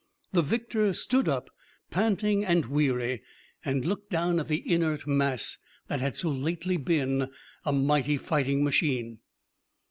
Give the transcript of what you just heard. The victor stood up, panting and weary, and looked down at the inert mass that had so lately been a mighty fighting machine.